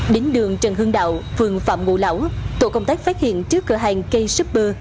đến đường trần hưng đạo vườn phạm ngụ lão tổ công tác phát hiện trước cửa hàng k super